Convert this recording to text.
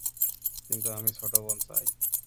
কিন্তু আমি ছোটোবোন চাই।